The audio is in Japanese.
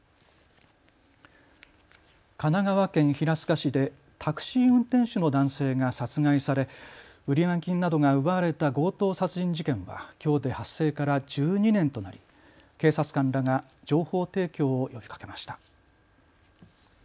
神奈川県平塚市でタクシー運転手の男性が殺害され売上金などが奪われた強盗殺人事件はきょうで発生から１２年となり警察官らが情報提供を呼びかけました。